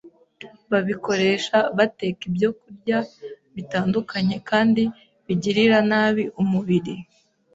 babikoresha bateka ibyokurya bitandukanye kandi bigirira nabi umubiri